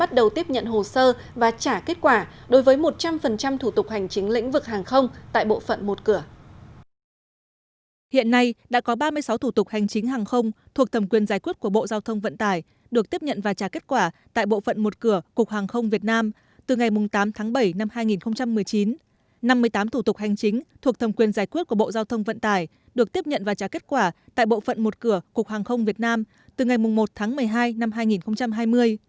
năm mươi tám thủ tục hành chính thuộc thầm quyền giải quyết của bộ giao thông vận tải được tiếp nhận và trả kết quả tại bộ phận một cửa cục hàng không việt nam từ ngày một tháng một mươi hai năm hai nghìn hai mươi